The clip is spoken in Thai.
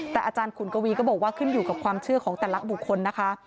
แต่อาจารย์ขุนกวีก็บอกว่าขึ้นอยู่กับความเชื่อของแต่ละบุคคลนะคะ